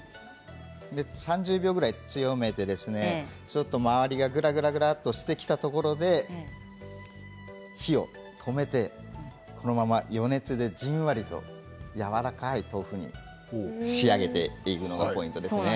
３０秒ぐらい強めて周りがぐらぐらとしてきたところで火を止めてこのまま余熱でじんわりとやわらかい豆腐に仕上げていくのがポイントですね。